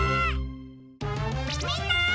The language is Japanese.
みんな！